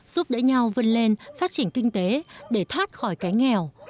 giúp đỡ nhau vươn lên phát triển kinh tế để thoát khỏi cái nghèo